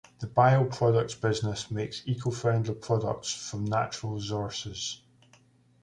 The bio-products business makes eco-friendly products from natural resources.